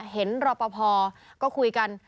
รอปภก็คุยกัน